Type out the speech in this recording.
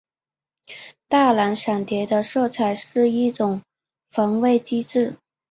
大蓝闪蝶的色彩是一种防卫机制。